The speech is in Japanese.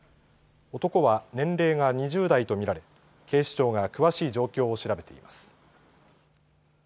男は年齢が２０代と見られ警視庁が詳しい状況を調べています。